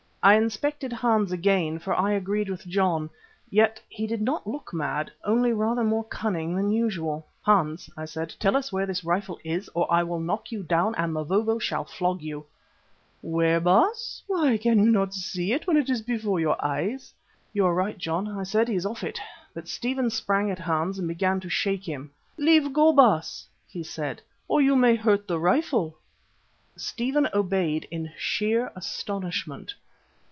I inspected Hans again, for I agreed with John. Yet he did not look mad, only rather more cunning than usual. "Hans," I said, "tell us where this rifle is, or I will knock you down and Mavovo shall flog you." "Where, Baas! Why, cannot you see it when it is before your eyes?" "You are right, John," I said, "he's off it"; but Stephen sprang at Hans and began to shake him. "Leave go, Baas," he said, "or you may hurt the rifle." Stephen obeyed in sheer astonishment.